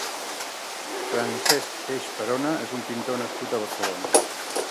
Francesc Teix Perona és un pintor nascut a Barcelona.